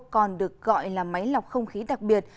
còn được gọi là máy lọc không khí đặc biệt